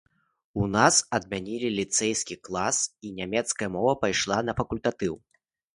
У нас адмянілі ліцэйскі клас, і нямецкая мова пайшла на факультатыў.